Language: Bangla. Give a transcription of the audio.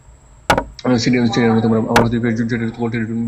সোরিয়ান নিশ্চিত আমার হদিশ পেয়ে জেটে অল্টিটিউড বোমা লাগিয়ে দিয়েছিল।